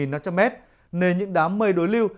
nên những đám mây đối lưu